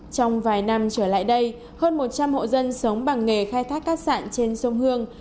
trong vài năm trở lại đây hơn một trăm linh hộ dân sống bằng nghề khai thác cát sạn trên sông hương